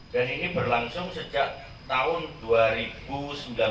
dan ini berlangsung sejak tahun dua ribu sembilan belas sampai sekarang